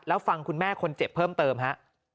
แล้วฟังคุณแม่คนเจ็บเพิ่มเติมฮะ